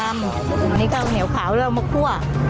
อันนี้ก็เหนียวขาวแล้วมะคั่ว